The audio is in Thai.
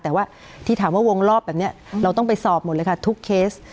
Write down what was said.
แต่ว่าที่ถามว่าวงรอบแบบนี้เราต้องไปสอบหมดเลยค่ะทุกเคส